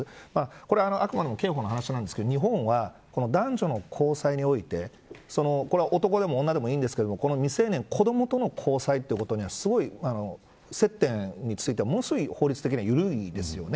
これはあくまでも刑法の話なんですけど日本は、男女の交際においてこれは男でも女でもいいんですけど未成年、子どもとの交際にはすごい接点については法律的には緩いですよね。